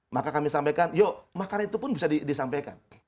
maka kami sampaikan yuk makar itu pun bisa disampaikan